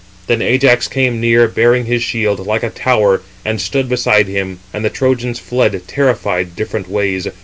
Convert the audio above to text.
Then Ajax came near, bearing his shield, like a tower, and stood beside him; and the Trojans fled, terrified, different ways.